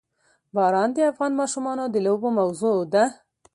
باران د افغان ماشومانو د لوبو موضوع ده.